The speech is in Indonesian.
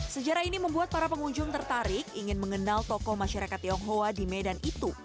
sejarah ini membuat para pengunjung tertarik ingin mengenal tokoh masyarakat tionghoa di medan itu